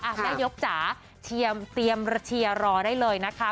แม่ยกจ๋าเตรียมเชียร์รอได้เลยนะคะ